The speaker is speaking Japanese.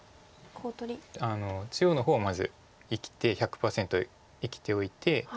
中央の方をまず生きて１００％生きておいて。